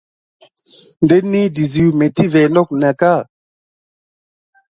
Ndəni dezu métivə not nako nat ka.